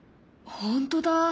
本当だ。